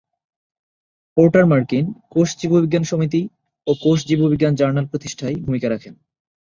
Porter মার্কিন কোষ জীববিজ্ঞান সমিতি ও কোষ জীববিজ্ঞান জার্নাল প্রতিষ্ঠায় ভূমিকা রাখেন।